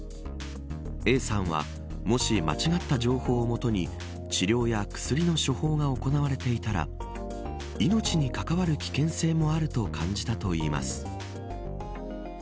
Ａさんはもし間違った情報を基に治療や薬の処方が行われていたら命に関わる危険性もあると感じたといいます。